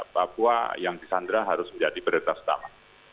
pakuwa yang di sandera harus menjadi prioritas utama